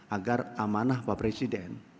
agar amanah pak presiden